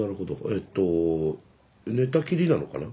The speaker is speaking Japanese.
えっと寝たきりなのかな？